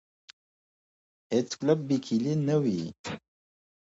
هیڅ قلف بې کیلي نه وي.